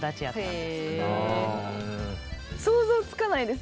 想像つかないです。